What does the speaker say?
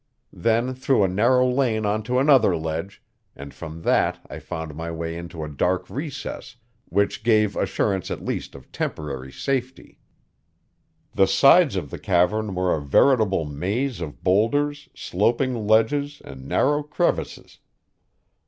Then through a narrow lane onto another ledge, and from that I found my way into a dark recess which gave assurance at least of temporary safety. The sides of the cavern were a veritable maze of boulders, sloping ledges, and narrow crevices.